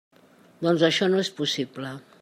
Doncs això no és possible.